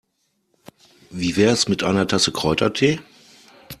Wie wär's mit einer Tasse Kräutertee?